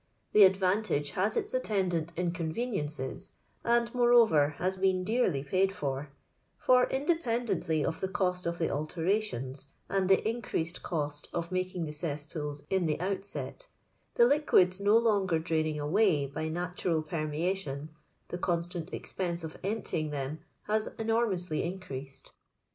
The advantage baa its attendant in conveniences, and, moreover, has %8en dearly paid for ; for, independently of the cost of the alterations and the increased cost of maldag the cesspools in the outset — the liquids no lonjser draining away by natural permeation — the constant expense of emptying them has enormously increased.